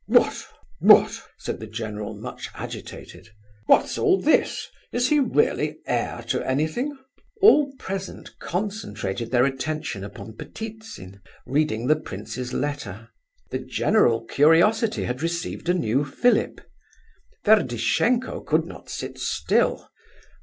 "What, what?" said the general, much agitated. "What's all this? Is he really heir to anything?" All present concentrated their attention upon Ptitsin, reading the prince's letter. The general curiosity had received a new fillip. Ferdishenko could not sit still.